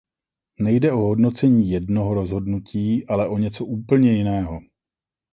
Nejde o hodnocení jednoho rozhodnutí, ale o něco úplně jiného.